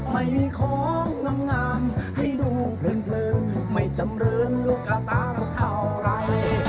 ไม่มีของง่ำให้ดูเพลินไม่จำเรินหรือกระตานกเท่าไหร่